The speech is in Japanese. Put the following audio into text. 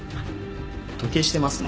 時計してますね。